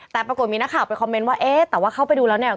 แต่ปรากฏมีนักข่าวไปคอมเมนต์ว่าเอ๊ะแต่ว่าเข้าไปดูแล้วเนี่ย